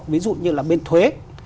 ví dụ như là bên thuế